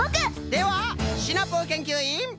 ではシナプーけんきゅういん！